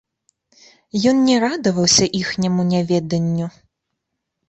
Ён не радаваўся іхняму няведанню.